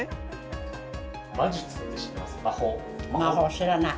知らない。